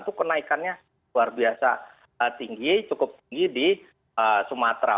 itu kenaikannya luar biasa tinggi cukup tinggi di sumatera